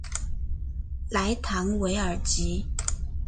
莱唐韦尔吉。